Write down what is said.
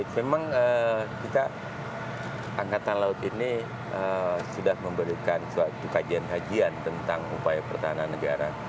memang kita angkatan laut ini sudah memberikan suatu kajian kajian tentang upaya pertahanan negara